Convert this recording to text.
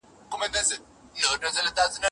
ملتونو به د انسان د ژوند حق خوندي کاوه.